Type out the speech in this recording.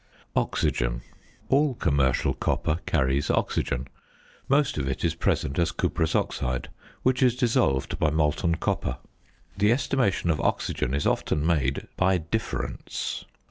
~Oxygen.~ All commercial copper carries oxygen; most of it is present as cuprous oxide, which is dissolved by molten copper. The estimation of oxygen is often made "by difference."